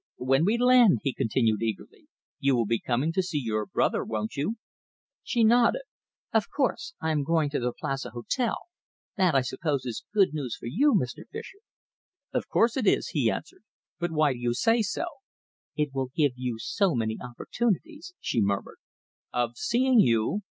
"When we land," he continued eagerly, "you will be coming to see your brother, won't you?" She nodded. "Of course! I am coming to the Plaza Hotel. That, I suppose, is good news for you, Mr. Fischer." "Of course it is," he answered, "but why do you say so?" "It will give you so many opportunities," she murmured. "Of seeing you?"